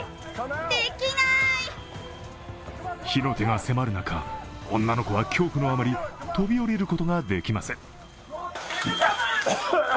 火の手が迫る中、女の子は恐怖のあまり飛び降りることができません。